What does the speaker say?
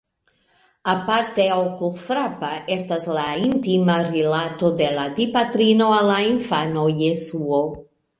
Aparte okulfrapa estas la intima rilato de la Dipatrino al la infano Jesuo.